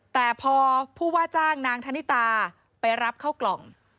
แต่พอผู้ว่าจ้างนางธนิตาไปรับเข้ากล่อง